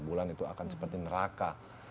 bulan itu akan seperti neraka